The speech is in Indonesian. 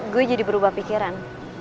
gue jadi berubah pikiran